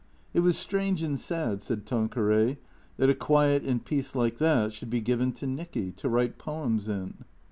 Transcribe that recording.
It was strange and sad, said Tanqueray, that a quiet and peace like that should be given to Nicky — to write poems in.